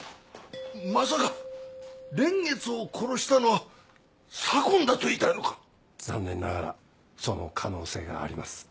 まさか蓮月を殺したのは左紺だと言いたいのか⁉残念ながらその可能性があります。